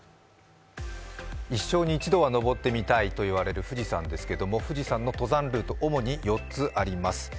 一生に一度は登ってみたいと言われる富士山ですけども、富士山の登山ルート、主に４つあります。